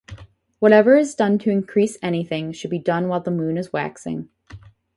Whatever is done to increase anything should be done while the moon is waxing.